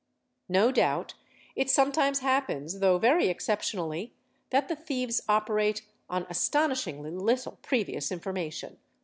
No doubt it sometimes happens, though very exceptionally, that the thieves operate on astonish ) ingly little previous information.